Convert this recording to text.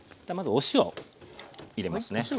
まずお塩入れますね。